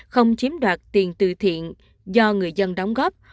không chiếm đoạt tiền từ thiện do người dân đóng góp